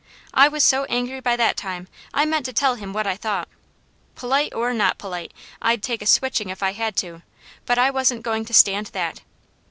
I was so angry by that time I meant to tell him what I thought. Polite or not polite, I'd take a switching if I had to, but I wasn't going to stand that.